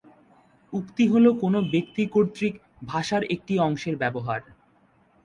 উক্তি হল কোন ব্যক্তি কর্তৃক ভাষার একটি অংশের ব্যবহার।